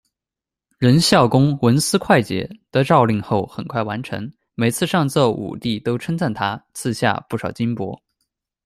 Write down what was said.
任孝恭文思快捷，得诏令后很快完成，每次上奏武帝都称赞他，赐下不少金帛。